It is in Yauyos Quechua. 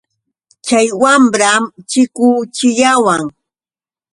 Chay wamram chikuchiyawan.